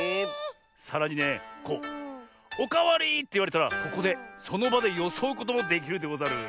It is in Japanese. さらにねこう「おかわり！」っていわれたらここでそのばでよそうこともできるでござる。